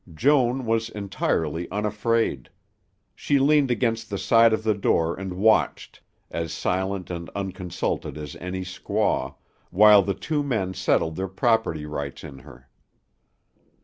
Joan was entirely unafraid. She leaned against the side of the door and watched, as silent and unconsulted as any squaw, while the two men settled their property rights in her.